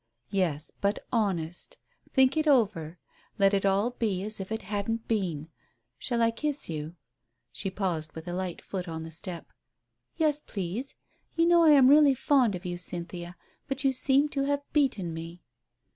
"Yes, but honest. Think it over. Let it all be as if it hadn't been. Shall I kiss you?" She paused, with a light foot on the step. "Yes, please. You know I am really fond of you, Cynthia, but you seem to have beaten me."